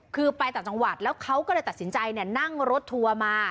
คือไปต่างจังหวัดแล้วเขาก็เลยตัดสินใจนั่งรถทัวร์มา